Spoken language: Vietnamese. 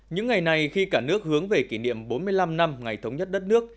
những ngày này khi cả nước hướng về kỷ niệm bốn mươi năm năm ngày thống nhất đất nước